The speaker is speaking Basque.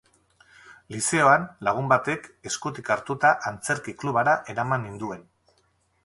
Lizeoan, lagun batek, eskutik hartuta, antzerki klubara ereman ninduen.